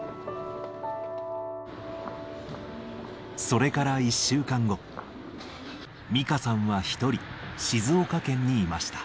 それから１週間後、ミカさんは１人、静岡県にいました。